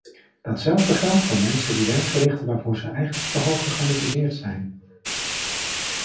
Datzelfde geldt voor mensen die werk verrichten waarvoor ze eigenlijk te hoog gekwalificeerd zijn.